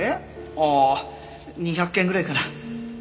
ああ２００件ぐらいかな。